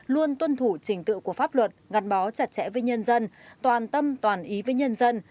luôn tuân thủ trình tự của pháp luật ngặt bó chặt chẽ với nhân dân toàn tâm toàn ý với nhân dân